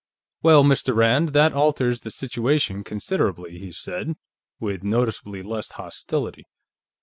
"Well, Mr. Rand, that alters the situation considerably," he said, with noticeably less hostility.